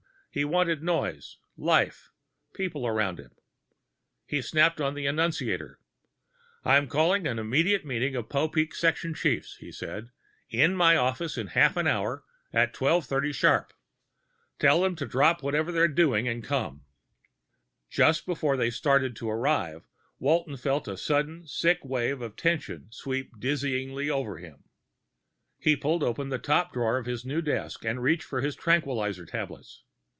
He wanted noise, life, people around him. He snapped on the annunciator. "I'm calling an immediate meeting of the Popeek section chiefs," he said. "In my office, in half an hour at 1230 sharp. Tell them to drop whatever they're doing and come." Just before they started to arrive, Walton felt a sudden sick wave of tension sweep dizzyingly over him. He pulled open the top drawer of his new desk and reached for his tranquilizer tablets.